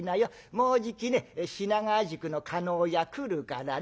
もうじきね品川宿の叶屋来るからね。